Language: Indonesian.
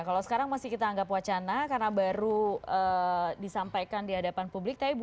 kalau sekarang masih kita anggap wacana karena baru disampaikan di hadapan publik